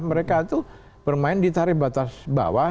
mereka itu bermain di tarif batas bawah